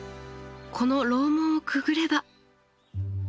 この楼門をくぐれば。